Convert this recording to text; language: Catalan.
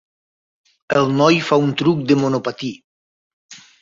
El noi fa un truc de monopatí.